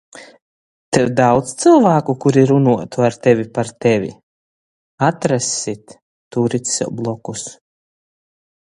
Tev daudz cylvāku, kuri runuotu ar tevi par tevi? Atrassit - turit sev blokus...